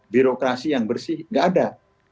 birokrasi yang bersih nggak ada